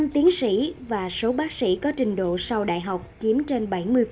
năm tiến sĩ và số bác sĩ có trình độ sau đại học chiếm trên bảy mươi